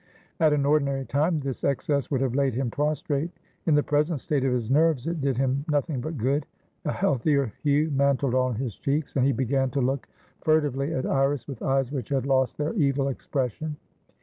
At an ordinary time, this excess would have laid him prostrate; in the present state of his nerves, it did him nothing but good; a healthier hue mantled on his cheeks, and he began to look furtively at Iris with eyes which had lost their evil expression.